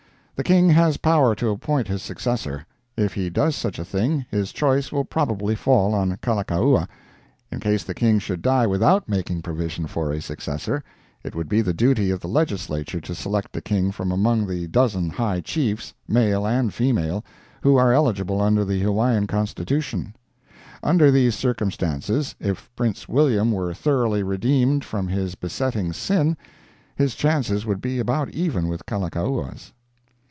The King has power to appoint his successor. If he does such a thing, his choice will probably fall on Kalakaua. In case the King should die without making provision for a successor, it would be the duty of the Legislature to select a King from among the dozen high Chiefs, male and female, who are eligible under the Hawaiian Constitution. Under these circumstances, if Prince William were thoroughly redeemed from his besetting sin, his chances would be about even with Kalakaua's.